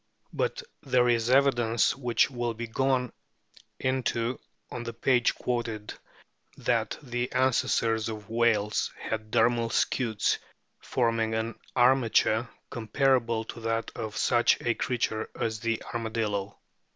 But there is evidence, which will be gone into on the o page quoted, that the ancestors of whales had dermal scutes, forming an armature comparable to that of such a creature as the Armadillo.